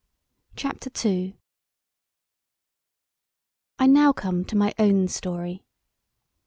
CHAPTER II I now come to my own story.